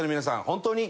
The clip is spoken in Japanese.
本当に。